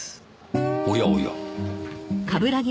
おやおや。